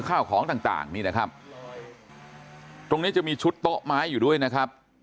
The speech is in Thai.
ข้าวของต่างต่างนี่นะครับตรงนี้จะมีชุดโต๊ะไม้อยู่ด้วยนะครับ